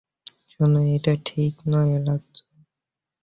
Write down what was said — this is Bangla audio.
শোন, এটা ঠিক নয় রাজ্জো।